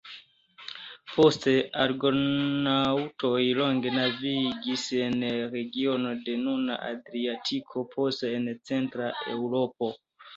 Poste Argonaŭtoj longe navigis en regiono de nuna Adriatiko, poste en centra Eŭropo.